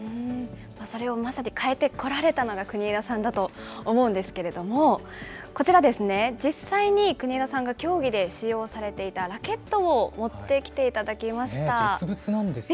それを、まさに変えてこられたのが国枝さんだと思うんですけれども、こちら、実際に国枝さんが競技で使用されていたラケットを持ってきていた実物なんですよね。